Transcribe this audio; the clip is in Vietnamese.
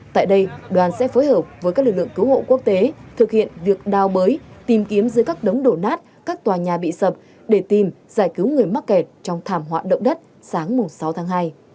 tại đây đoàn sẽ phối hợp với các lực lượng cứu hộ quốc tế thực hiện việc đào bới tìm kiếm dưới các đống đổ nát các tòa nhà bị sập để tìm giải cứu người mắc kẹt trong thảm họa động đất sáng sáu tháng hai